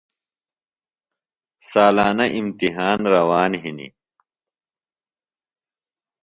سالانہ اِمتحان روان ہِنیۡ۔